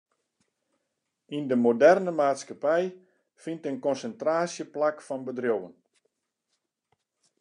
Yn de moderne maatskippij fynt in konsintraasje plak fan bedriuwen.